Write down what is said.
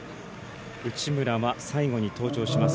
内村は最後に登場します。